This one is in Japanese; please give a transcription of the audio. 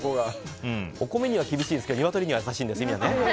お米には厳しいですけどニワトリには優しいんですね。